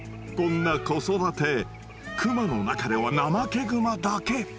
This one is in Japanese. こんな子育てクマの中ではナマケグマだけ。